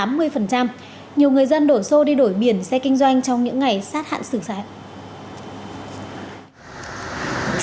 nhiều người dân đổ xô đi đổi biển xe kinh doanh trong những ngày sát hạn xử sát